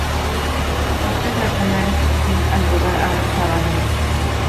Esta es la primera estación al llegar a Sabadell.